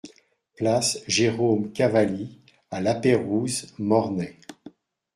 Place Jérôme Cavalli à Lapeyrouse-Mornay